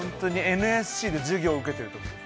ＮＳＣで授業受けてるときです。